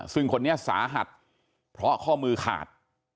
ซึ่งคนนี้สาหัสเพราะข้อมือขาด